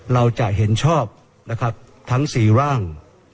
เราจะเห็นชอบนะครับทั้ง๔ร่าง